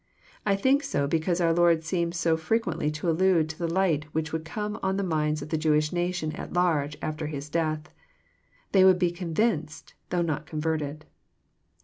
I think so because onr Lord seems so frequently to allude to the light which would come on the minds of the Jewish nation at large after His death. They would be convinced, though not converted.